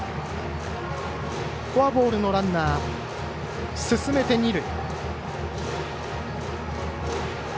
フォアボールのランナー進めて二塁。